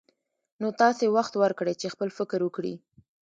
نو تاسې وخت ورکړئ چې خپل فکر وکړي.